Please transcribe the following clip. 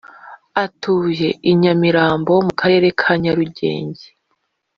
Atuye I Nyamirambo mu karere ka Nyarugenge